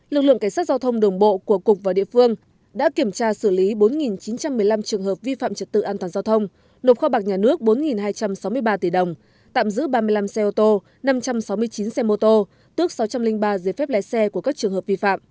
lực lượng cảnh sát giao thông đường bộ của cục và địa phương đã kiểm tra xử lý bốn chín trăm một mươi năm trường hợp vi phạm trật tự an toàn giao thông nộp kho bạc nhà nước bốn hai trăm sáu mươi ba tỷ đồng tạm giữ ba mươi năm xe ô tô năm trăm sáu mươi chín xe mô tô tước sáu trăm linh ba giấy phép lái xe của các trường hợp vi phạm